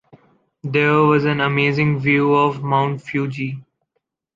There was an amazing view of Mount Fuji.